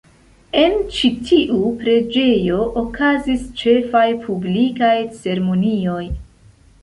En ĉi tiu preĝejo okazis ĉefaj publikaj ceremonioj.